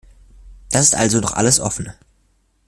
Da ist also noch alles offen.